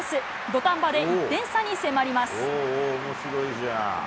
土壇場で１点差に迫ります。